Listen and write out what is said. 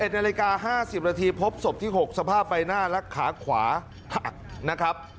๑นาฬิกา๕๐นาทีพบศพที่๖สภาพใบหน้าและขาขวาหักนะครับ